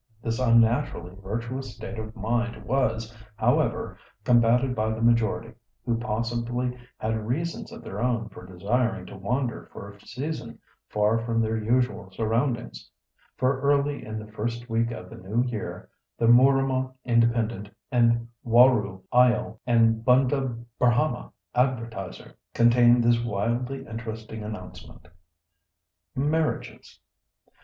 This unnaturally virtuous state of mind was, however, combated by the majority, who possibly had reasons of their own for desiring to wander for a season far from their usual surroundings, for early in the first week of the new year the Mooramah Independent, and Warroo, Eyall, and Bundaburhamah Advertiser contained this wildly interesting announcement:— "MARRIAGES.